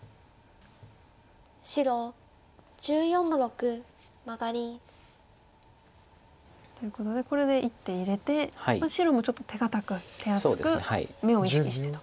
白１４の六マガリ。ということでこれで一手入れて白もちょっと手堅く手厚く眼を意識してと。